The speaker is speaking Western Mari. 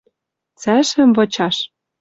Цӓшӹм вычаш —